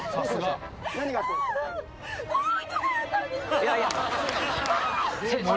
いやいや。